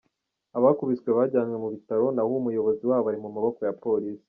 Abakubiswe bajyanywe mu bitaro naho Umuyobozi wabo ari mu maboko ya polisi.